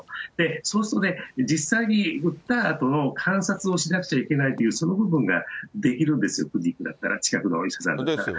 そうすると実際に打ったあとの観察をしなくちゃいけないというその部分ができるんですよ、クリニックだったら、近くのお医者さんだったら。